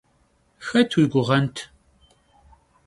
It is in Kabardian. Xet yi guğent?